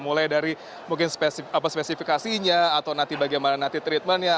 mulai dari mungkin spesifikasinya atau nanti bagaimana nanti treatmentnya